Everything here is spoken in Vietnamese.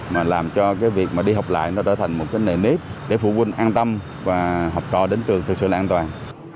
mà làm cho việc đi học lại nó trở thành một nền nếp để phụ huynh an tâm và học trò đến trường thực sự là an toàn